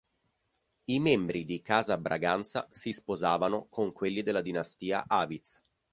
I membri di Casa Braganza si sposavano con quelli della dinastia Aviz.